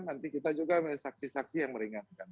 nanti kita juga saksi saksi yang meringankan